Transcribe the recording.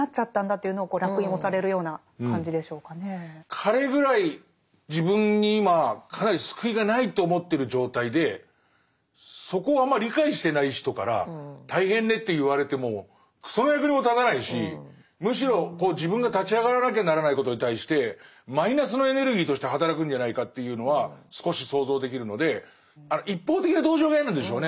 彼ぐらい自分に今かなり救いがないと思ってる状態でそこをあんま理解してない人から大変ねと言われてもクソの役にも立たないしむしろ自分が立ち上がらなきゃならないことに対してマイナスのエネルギーとして働くんじゃないかっていうのは少し想像できるので一方的な同情が嫌なんでしょうね。